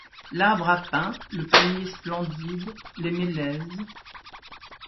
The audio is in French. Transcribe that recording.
L’arbre a pain, le palmier splendide, les mélèzes